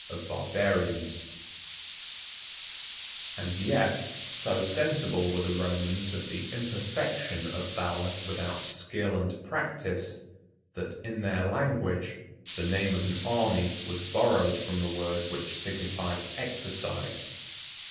] And yet so sensible were the Romans of the imperfection of valor without skill and practice, that, in their language, the name of an army was borrowed from the word which signified exercise.